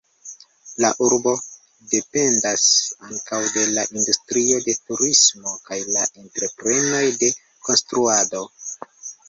La urbo dependas ankaŭ de la industrio de turismo kaj la entreprenoj de konstruado.